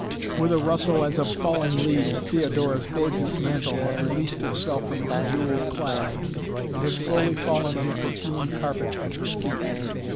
With a rustle as of falling leaves Theodora's gorgeous mantle had released itself from its jewelled clasps, and had slowly fallen on the perfumed carpet at her feet.